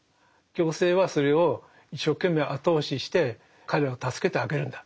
行政はそれを一生懸命後押しして彼らを助けてあげるんだ。